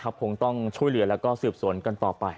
คงต้องช่วยเหลือแล้วก็สืบสวนกันต่อไป